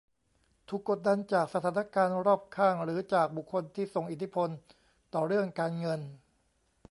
ถูกกดดันจากสถานการณ์รอบข้างหรือจากบุคคลที่ส่งอิทธิพลต่อเรื่องการเงิน